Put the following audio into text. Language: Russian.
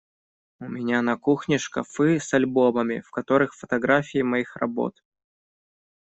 У меня на кухне шкафы с альбомами, в которых фотографии моих работ.